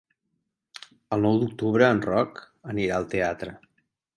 El nou d'octubre en Roc anirà al teatre.